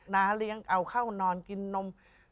้าเลี้ยงเอาเข้านอนกินนม